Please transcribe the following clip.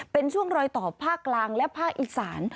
เป็นช่วงรอยต่อภาคกลางและภาคอีสาน